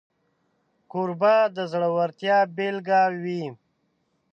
کوربه د زړورتیا بيلګه وي.